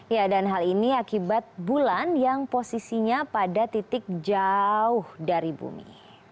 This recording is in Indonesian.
ya dan hal ini akibat bulan yang posisinya pada titik jauh dari bumi